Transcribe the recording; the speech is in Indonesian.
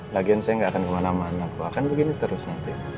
lagian saya gak akan kemana mana aku akan begini terus nanti ya